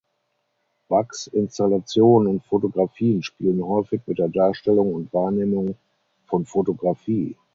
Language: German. Backs Installationen und Fotografien spielen häufig mit der Darstellung und Wahrnehmung von Fotografie.